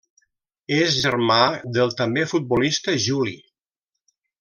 És germà del també futbolista Juli.